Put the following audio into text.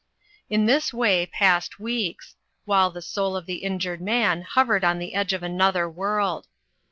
In this way passed weeks, while the soul of the injured man hovered on the edge of another world.